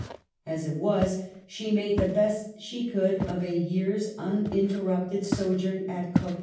As it was, she made the best that she could of a years uninterrupted sojourn at Coppet.